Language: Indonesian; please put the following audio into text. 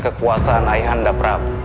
kekuasaan ayahanda prabu